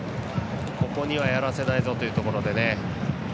ここには、やらせないぞというところでね。